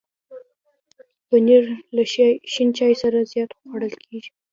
پنېر له شین چای سره زیات خوړل کېږي.